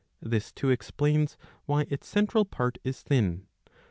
This too explains why its central part is thin.